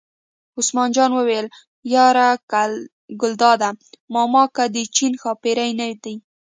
عثمان جان وویل: یار ګلداد ماما که د چین ښاپېرۍ نه دي.